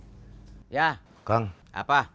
jadi kita ketemu di marangsuji